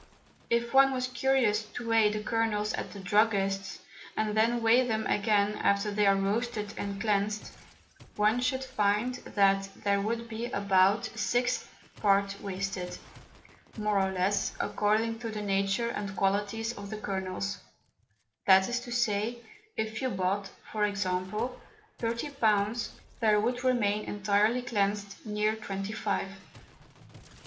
If one was curious to weigh the Kernels at the Druggists, and then weigh them again after they are roasted and cleansed, one should find that there would be about a sixth Part wasted, more or less, according to the Nature and Qualities of the Kernels; that is to say, if you bought (for example) 30 Pounds, there would remain entirely cleansed, near twenty five.